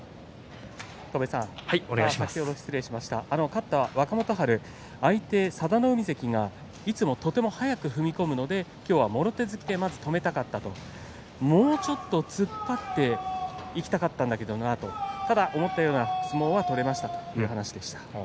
勝った若元春ですが相手の佐田の海関がいつもとても早く踏み込んでくるので今日はもろ手突きでまずは止めたかったもうちょっと突っ張っていきたかったんだけどなと思ったような相撲を取れましたと話しています。